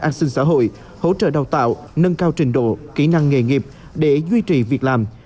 an sinh xã hội hỗ trợ đào tạo nâng cao trình độ kỹ năng nghề nghiệp để duy trì việc làm